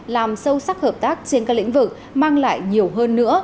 làm sâu sắc hợp tác trên các lĩnh vực mang lại nhiều hơn nữa